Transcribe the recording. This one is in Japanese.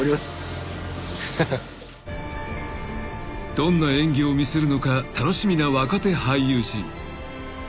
［どんな演技を見せるのか楽しみな若手俳優陣］